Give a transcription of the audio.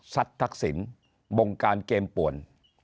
ทักษิณบงการเกมป่วน